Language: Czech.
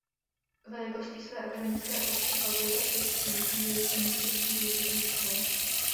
Velikostí své akademické obce fakulta předčí i většinu českých vysokých škol.